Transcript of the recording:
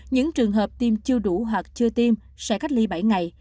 những trường hợp tiêm chưa đủ hoặc chưa tiêm sẽ cách ly bảy ngày